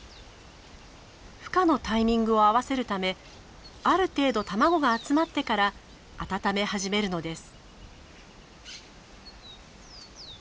ふ化のタイミングを合わせるためある程度卵が集まってから温め始めるのです。